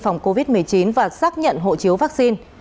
phòng covid một mươi chín và xác nhận hộ chiếu vaccine